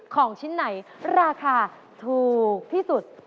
ของชิ้นไหนราคาถูกที่สุด